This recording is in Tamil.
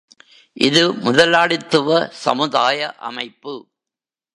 இது முதலாளித்துவ சமுதாய அமைப்பு.